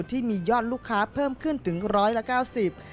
ที่มียอดลูกค้าเพิ่มขึ้นถึง๑๙๐บาท